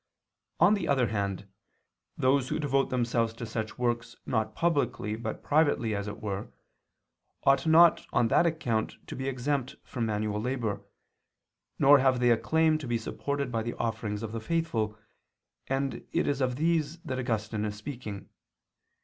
On the other hand, those who devote themselves to such works not publicly but privately as it were, ought not on that account to be exempt from manual labor, nor have they a claim to be supported by the offerings of the faithful, and it is of these that Augustine is speaking.